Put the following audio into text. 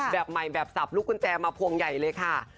แบบใหม่แบบสับลูกกุญแจมาพวงใหญ่เลยค่ะ